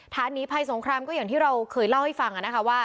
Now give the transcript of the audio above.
หนีภัยสงครามก็อย่างที่เราเคยเล่าให้ฟังนะคะว่า